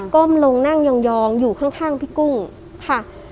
้มลงนั่งยองอยู่ข้างพี่กุ้งค่ะ